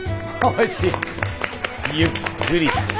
ゆっくり。